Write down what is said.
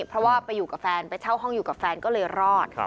เพราะว่าไปอยู่กับแฟนไปเช่าห้องอยู่กับแฟนก็เลยรอด